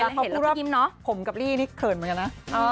แล้วเขาก็พูดว่าผมกับลิลลี่เขินมากันนะ